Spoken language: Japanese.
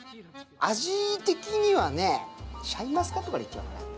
味的にはね、シャインマスカットからいっちゃいます。